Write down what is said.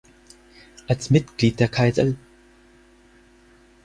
Als Mitglied der "Kaiserl.